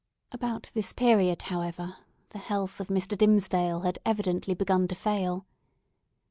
About this period, however, the health of Mr. Dimmesdale had evidently begun to fail.